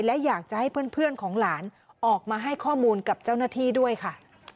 และอยากจะให้เพื่อนของหลานออกมาให้ข้อมูลกับเจ้าหน้าที่ด้วยค่ะ